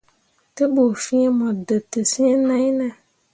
Te ɓu fĩĩ mo dǝtǝs̃ǝǝ nai ne ?